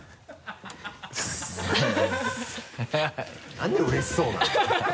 何をうれしそうな。